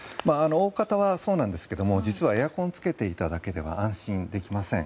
大方はそうなんですけど実はエアコンをつけただけでは安心できません。